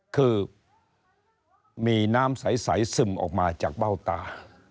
คือมีน้ำใสซึมออกมาจากเบ้าตา